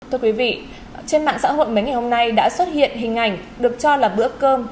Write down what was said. thưa quý vị trên mạng xã hội mấy ngày hôm nay đã xuất hiện hình ảnh được cho là bữa cơm